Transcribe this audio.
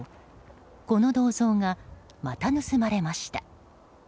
この銅像が、また盗まれました。